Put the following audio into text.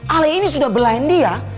ale ini sudah belahan dia